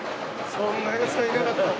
そんなヤツはいなかった。